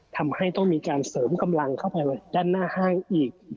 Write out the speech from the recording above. ทำให้ต้องมีการเสริมกำลังเข้าไปด้านหน้าห้างอีก